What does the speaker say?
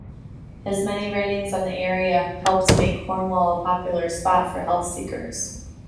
His many writings on the area helped make Cornwall a popular spot for health-seekers.